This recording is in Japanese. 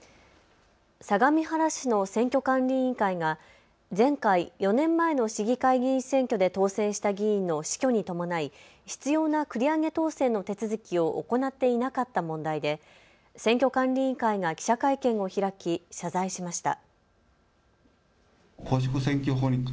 相模原市の選挙管理委員会が前回４年前の市議会議員選挙で当選した議員の死去に伴い必要な繰り上げ当選の手続きを行っていなかった問題で選挙管理委員会が記者会見を開き謝罪しました。